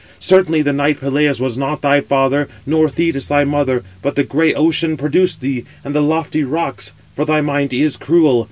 Certainly the knight Peleus was not thy father, nor Thetis thy mother; but the grey 509 Ocean produced thee, and the lofty rocks; for thy mind is cruel.